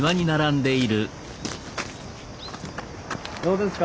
どうですか？